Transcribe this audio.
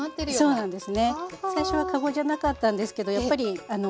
そうなんです。